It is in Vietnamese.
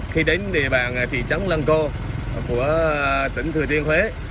khi đến địa bàn thị trấn lăng cô của tỉnh thừa thiên huế